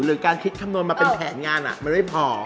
หรือการคิดคำนวณมาเป็นแผนงานมันไม่พอ